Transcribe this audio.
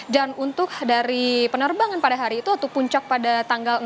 dan untuk dari penerbangan pada hari itu atau puncak pada tanggal enam april dua ribu dua puluh satu